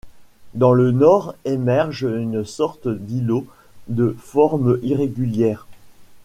Dans le nord émerge une sorte d’îlot, de forme irrégulière.